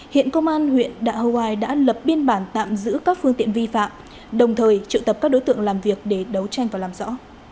hiện công an huyện đạ hoai đã lập biên bản tạm giữ các phương tiện vi phạm đồng thời triệu tập các đối tượng làm việc để đấu tranh và làm rõ